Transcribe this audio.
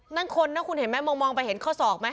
นั่นคนนะคุณเห็นไหมมองไปเห็นข้อศอกไหม